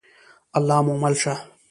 الله مو مل شه؟